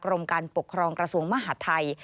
กรมการปกครองกระทรวงมหาดไทย